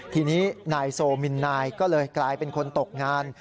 ทีนี้นายโซมินนายก็เลยกลายเป็นคนตกงาน